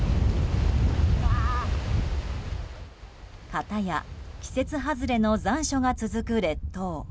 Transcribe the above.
かたや季節外れの残暑が続く列島。